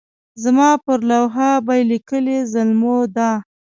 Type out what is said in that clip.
زما پر لوحه به لیکئ زلمیو دا.